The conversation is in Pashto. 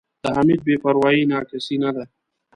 د حمید بې پروایي نا کسۍ نه ده.